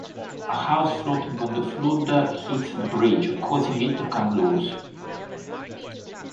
A house floating on the flood hits the bridge, causing it to come loose.